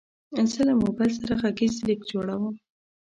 زه له موبایل سره غږیز لیک جوړوم.